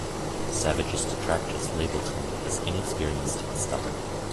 Savage's detractors labelled him as inexperienced and stubborn.